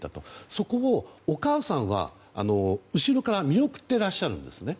そこをお母さんは後ろから見送ってらっしゃるんですね。